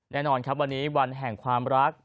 แน่นอนครับวันนี้วันแห่งความรัก